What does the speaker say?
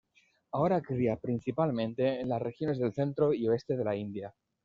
Ahora cría principalmente en las regiones del centro y oeste de la India.